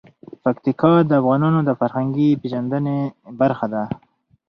پکتیکا د افغانانو د فرهنګي پیژندنې برخه ده.